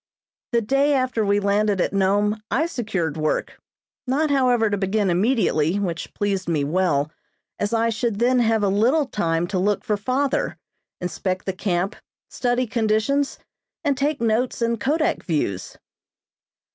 The day after we landed at Nome I secured work. Not, however, to begin immediately, which pleased me well, as I should then have a little time to look for father, inspect the camp, study conditions and take notes and kodak views.